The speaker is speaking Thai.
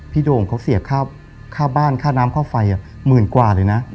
พี่โดหงเขาเสียบค่าบ้านค่าน้ำค่าไฟ๑๐๐๐๐กว่าเลยนะ